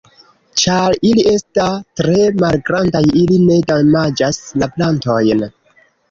Ĉar ili esta tre malgrandaj ili ne damaĝas la plantojn.